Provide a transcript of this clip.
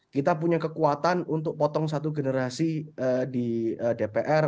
kita punya kekuatan untuk potong satu generasi di dpr